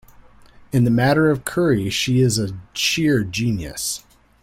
In the matter of curry she is a sheer genius.